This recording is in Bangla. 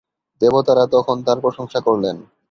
দেবতারা তখন তার প্রশংসা করলেন।